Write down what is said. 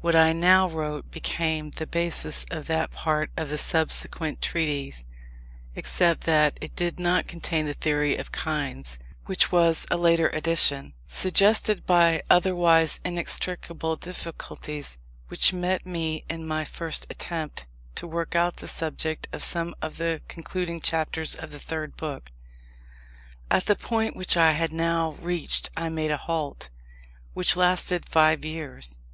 What I now wrote became the basis of that part of the subsequent Treatise; except that it did not contain the Theory of Kinds, which was a later addition, suggested by otherwise inextricable difficulties which met me in my first attempt to work out the subject of some of the concluding chapters of the Third Book. At the point which I had now reached I made a halt, which lasted five years.